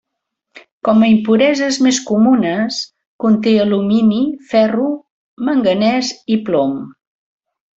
Com a impureses més comunes, conté alumini, ferro, manganès i plom.